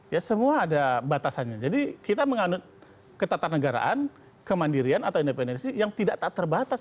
ya semua ada batasannya jadi kita menganut ketatanegaraan kemandirian atau independensi yang tidak tak terbatas